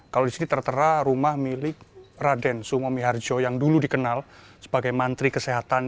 kalau di sini tertera rumah milik raden sumomi harjo yang dulu dikenal sebagai mantri kesehatan